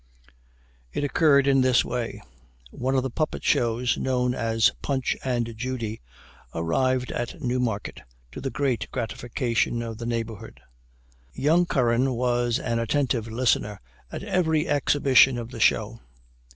It occurred in this way: One of the puppet shows known as "Punch and Judy," arrived at Newmarket, to the great gratification of the neighborhood. Young Curran was an attentive listener at every exhibition of the show.